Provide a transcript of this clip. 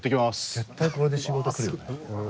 絶対これで仕事するよね。